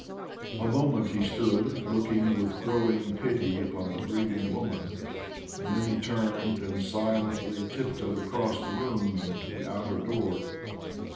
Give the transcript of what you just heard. A moment he stood looking with growing pity upon the grieving woman, and then he turned and silently tip toed across the room and to the outer door.